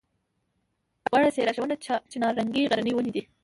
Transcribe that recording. غوړه څېرۍ ښوون چناررنګی غرني ونې دي.